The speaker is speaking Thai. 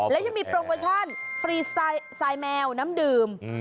และยังมีโปรโมชั่นฟรีไซแมวน้ำดื่ม